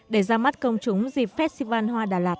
để ra mắt công chúng dịp festival hoa đà lạt hai nghìn một mươi chín